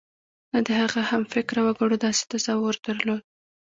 نه د هغه همفکره وګړو داسې تصور درلود.